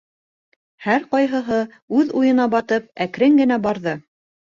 Һәр ҡайһыһы, үҙ уйына батып, әкрен генә барҙы.